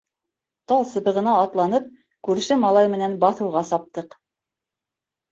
Тал сыбығына атланып, күрше малай менән баҫыуға саптыҡ.